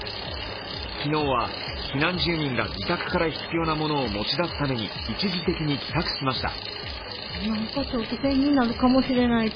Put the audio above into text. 昨日は、避難住民が自宅から必要なものを持ち出す谷一時的に帰宅しました。